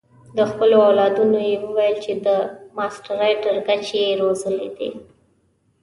د خپلو اولادونو یې وویل چې د ماسټرۍ تر کچې یې روزلي دي.